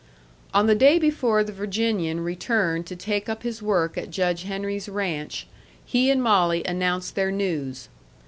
On the day before the Virginian returned to take up his work at Judge Henry's ranch, he and Molly announced their news.